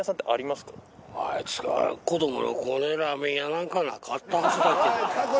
あいつが子どもの頃ラーメン屋なんかなかったはずだけどな。